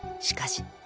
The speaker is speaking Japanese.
しかし